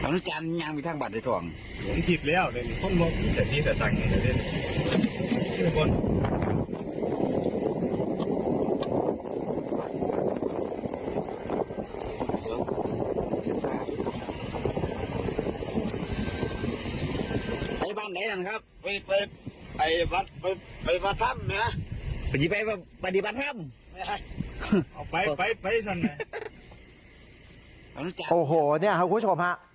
โอ้โหเนี่ยครับคุณผู้ชมฮะ